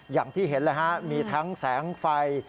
อย่างที่เห็นเลยฮะมีทั้งแสงไฟ